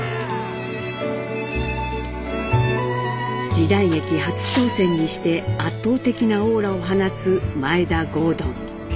時代劇初挑戦にして圧倒的なオーラを放つ眞栄田郷敦。